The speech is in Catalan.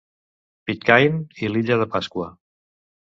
Pitcairn i l'illa de Pasqua.